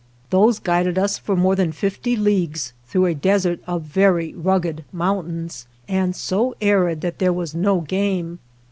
Those guided us for more than fifty leagues through a desert of very rugged mountains, and so arid that there was no game.